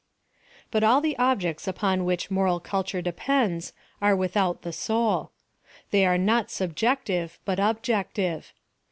But all the objects upon which moral culture depends are without the soul. They are not sub jective, but objective.